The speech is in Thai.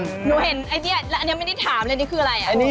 หนูเห็นไอเดียแล้วอันนี้ไม่ได้ถามเลยนี่คืออะไร